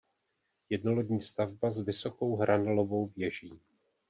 Jednolodní stavba s vysokou hranolovou věží.